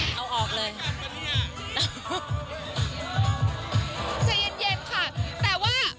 อะเอาอะเอาเมื่อเช็ดหน้าอีก